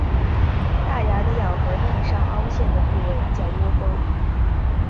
大牙的咬合面上凹陷的部位叫窝沟。